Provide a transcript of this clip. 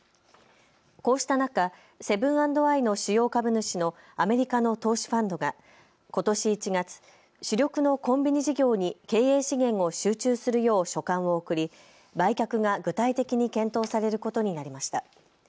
こうした中、セブン＆アイの主要株主のアメリカの投資ファンドがことし１月、主力のコンビニ事業に経営資源を集中するよう書簡を送り売却が具体的に検討されることになりました。